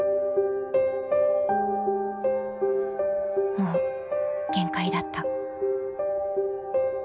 ［もう限界だった］